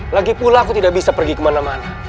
lagipula aku tidak bisa pergi kemana mana